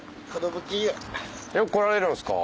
よく来られるんですか？